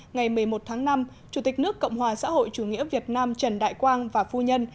ngày một mươi một tháng năm chủ tịch nước cộng hòa xã hội chủ nghĩa việt nam trần đại quang và phu nhân